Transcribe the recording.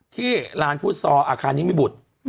ที่ลานฟู้ดซอร์อาคารนี้ไม่บุตร